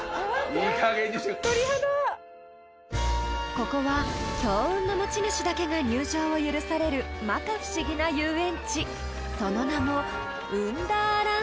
［ここは強運の持ち主だけが入場を許されるまか不思議な遊園地その名も］